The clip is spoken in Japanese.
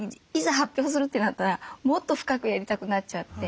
発表するってなったらもっと深くやりたくなっちゃって。